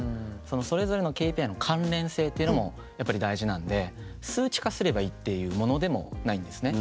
それぞれのＫＰＩの関連性っていうのもやっぱり大事なんで数値化すればいいっていうものでもないんですね。